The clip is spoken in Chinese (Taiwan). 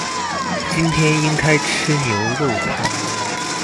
今天應該吃牛肉湯